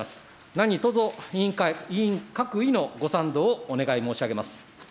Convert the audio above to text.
何とぞ委員会、委員各位のご賛同をお願い申し上げます。